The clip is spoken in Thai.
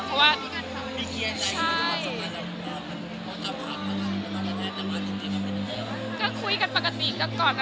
เพราะว่าคุยกันปกติกันก่อนค่ะ